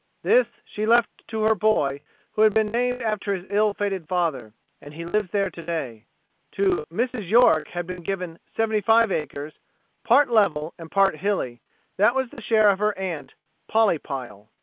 This she left to her boy who had been named after his ill fated father and he lives there to day. To Mrs. York had been given seventy five acres, "part level and part hilly," that was the share of her aunt, Polly Pile.